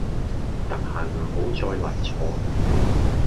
得閒唔好再嚟坐